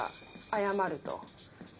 謝ると。